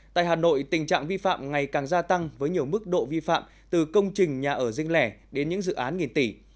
tại hà nội tình trạng vi phạm ngày càng gia tăng với nhiều mức độ vi phạm từ công trình nhà ở rinh lẻ đến những dự án nghìn tỷ